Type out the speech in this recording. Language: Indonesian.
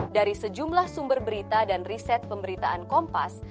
dari sejumlah sumber berita dan riset pemberitaan kompas